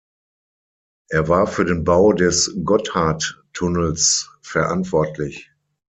Er war für den Bau des Gotthardtunnels verantwortlich.